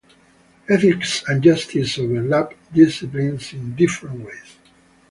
Ethics and justice overlap disciplines in different ways.